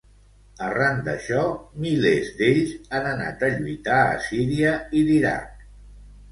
Arran d'això, milers d'ells han anat a lluitar a Síria i l'Iraq.